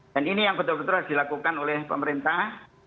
dan ini yang betul betul harus dilakukan oleh pemerintah